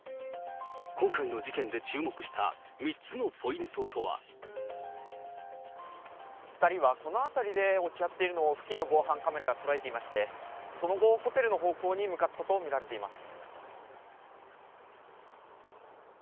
今回の事件で注目した３つのポイ２人はこの辺りで落ち合っているのを、付近の防犯カメラが捉えていまして、その後、ホテルの方向に向かったと見られています。